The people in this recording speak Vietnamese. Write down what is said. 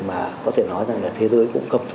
mà có thể nói rằng là thế giới cũng cấp